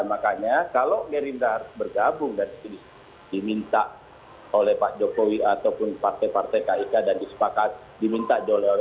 makanya kalau gerindra harus bergabung dari sini diminta oleh pak jokowi ataupun partai partai kik dan disepakat diminta oleh oleh gerindra